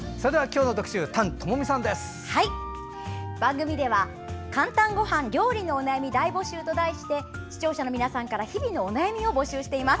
番組では「かんたんごはん料理のお悩み大募集」と題して視聴者の皆さんから日々のお悩みを募集しています。